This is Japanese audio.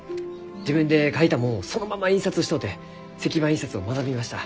自分で描いたもんをそのまま印刷しとうて石版印刷を学びました。